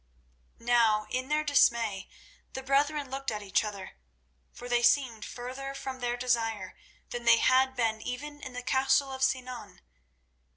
Now in their dismay the brethren looked at each other, for they seemed further from their desire than they had been even in the castle of Sinan.